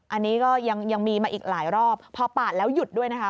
อันนี้ก็ยังมีมาอีกหลายรอบพอปาดแล้วหยุดด้วยนะคะ